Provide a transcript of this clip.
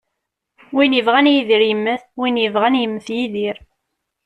Win yebɣan yidir yemmet, win yebɣan yemmet yidir.